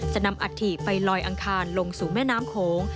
นำอัฐิไปลอยอังคารลงสู่แม่น้ำโขง